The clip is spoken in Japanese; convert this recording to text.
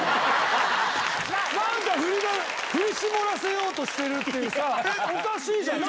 何か振り絞らせようとしてるっておかしいじゃん！